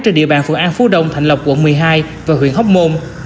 trên địa bàn phường an phú đông thạnh lộc quận một mươi hai và huyện hóc môn